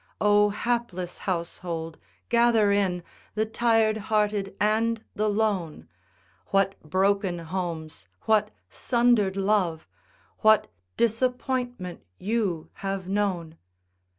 Oh, hapless household, gather in The tired hearted and the lone! What broken homes, what sundered love, What disappointment you have known!